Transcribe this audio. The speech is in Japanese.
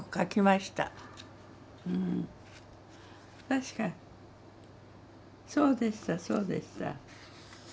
確かそうでしたそうでした。